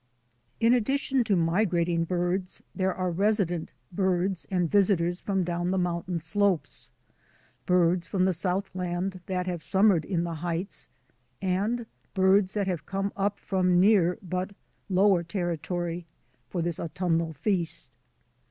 In addition to migrating birds, there are resi dent birds and visitors from down the mountain 96 THE ADVENTURES OF A NATURE GUIDE slopes, birds from the Southland that have sum mered in the heights, and birds that have come up from near but lower territory for this autumnal feast.